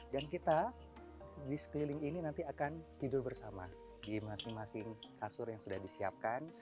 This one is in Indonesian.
dan kita di sekeliling ini nanti akan tidur bersama di masing masing kasur yang sudah disiapkan